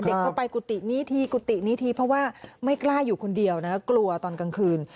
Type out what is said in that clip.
เข้าไปกุฏินี้ทีกุฏินี้ทีเพราะว่าไม่กล้าอยู่คนเดียวนะกลัวตอนกลางคืน